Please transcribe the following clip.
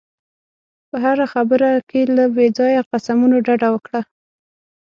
په هره خبره کې له بې ځایه قسمونو ډډه وکړه.